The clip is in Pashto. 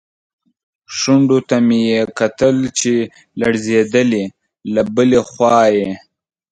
شونډو ته مې یې کتل چې لړزېدلې، له بلې خوا یې.